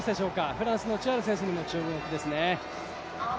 フランスのチュアル選手にも注目ですね。